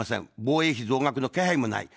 防衛費増額の気配もない。